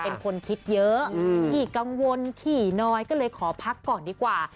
เป็นคนคิดเยอะขี้กังวลขี่น้อยก็เลยขอพักก่อนดีกว่า